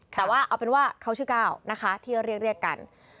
แต่ว่าเอาเป็นว่าเขาชื่อก้าวนะคะที่เรียกกัน